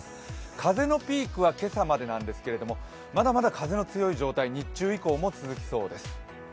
風のピークは今朝までなんですけどまだまだ風の強い状態、日中以降も続きそうです。